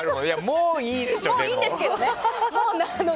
もういいんですけどね。